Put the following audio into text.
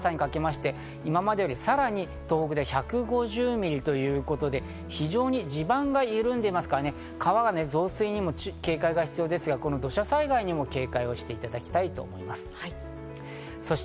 明日の朝にかけまして今までよりさらに東北で１５０ミリということで非常に地盤が緩んでいますから、川の増水にも警戒が必要ですが、土砂災害にも警戒していただきたいと思います。